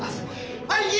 兄貴！